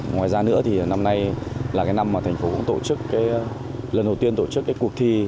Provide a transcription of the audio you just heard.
ngoài ra nữa thì năm nay là cái năm mà thành phố cũng tổ chức lần đầu tiên tổ chức cái cuộc thi